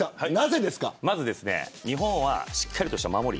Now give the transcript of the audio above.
まず日本はしっかりとした守り。